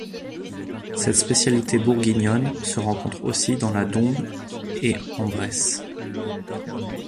Cette spécialité bourguignonne se rencontre aussi dans la Dombes et en Bresse.